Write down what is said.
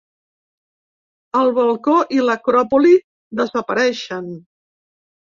El balcó i l'Acròpoli desapareixen.